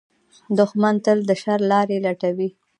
دښمن تل د شر لارې لټوي